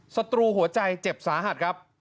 ศัตรูหัวใจเจ็บสาหัสครับ